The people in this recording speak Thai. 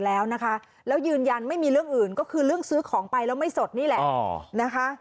แล้วยืนยันไม่มีเรื่องอื่นเรื่องซื้อของไปแล้วไม่สดนี่แหละ